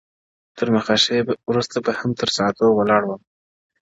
تر مخه ښې وروسته به هم تر ساعتو ولاړ وم’